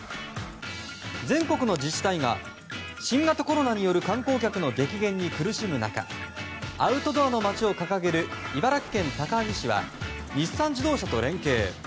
全国の自治体が新型コロナによる観光客の激減に苦しむ中アウトドアのまちを掲げる茨城県高萩市は日産自動車と連携。